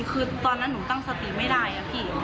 คือตอนนั้นหนูตั้งสติไม่ได้อะพี่